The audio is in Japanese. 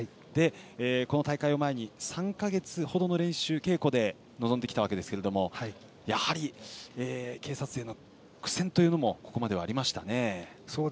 この大会を前に３か月ほどの稽古で臨んできたわけですがやはり警察勢の苦戦というのもここまではありましたね。